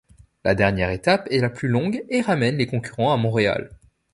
La dernière étape est la plus longue et ramène les concurrents à Montréal.